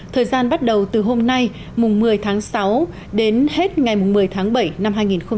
thời gian bắt đầu từ hôm nay một mươi tháng sáu đến hết ngày một mươi tháng bảy năm hai nghìn một mươi bảy